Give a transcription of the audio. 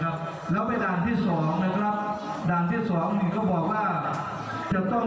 ฉะนั้นห้ามกระเทยร์มารังเด็ดขาดนะครับถ้าห้ามกระเทยร์มารังคนนั้นจะไม่ได้ไปสวรรค์นะครับ